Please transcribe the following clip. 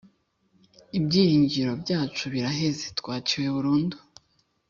ibyiringiro byacu biraheze twaciwe burundu